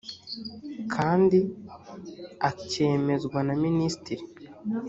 kandi akemezwa na minisitiri